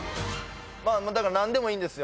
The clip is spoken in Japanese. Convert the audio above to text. だからなんでもいいんですよ